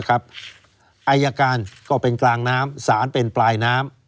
อายการก็เป็นกลางน้ำสารเป็นปลายน้ำ